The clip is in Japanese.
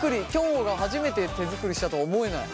もが初めて手作りしたとは思えない。